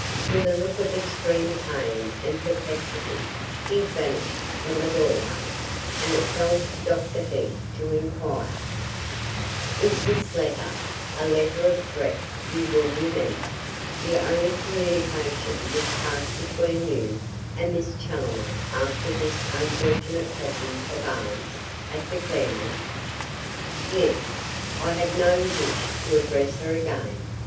With a look of extreme pain and perplexity he vanished from the doorway, and it fell to Dr. Heath to inquire: "Is this letter a letter of threat you will remember the only communication which passed between you and Miss Challoner after this unfortunate passage of arms at the Clermont?" "Yes. I had no wish to address her again.